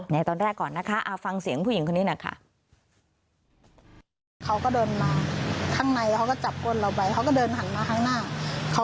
ในตอนแรกก่อนนะคะฟังเสียงผู้หญิงคนนี้หน่อยค่ะ